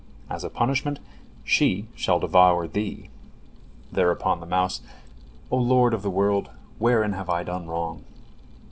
As a punishment, she shall devour thee." Thereupon the mouse: "O Lord of the world, wherein have I done wrong?"